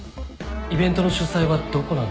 イベントの主催はどこなんですか？